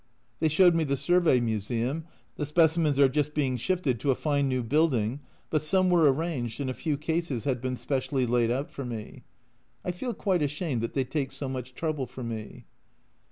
They showed me the Survey Museum ; the specimens are just being shifted to a fine new building, but some were arranged, and a few cases had been specially laid out for me. I feel quite ashamed that they take so much trouble for me.